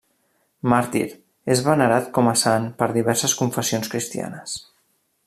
Màrtir, és venerat com a sant per diverses confessions cristianes.